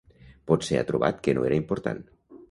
Potser ha trobat que no era important.